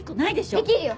できるよ！